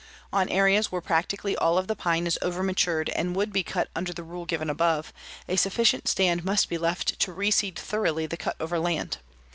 "On areas where practically all of the pine is over matured and would be cut under the rule given above, a sufficient stand must be left to reseed thoroughly the cut over land.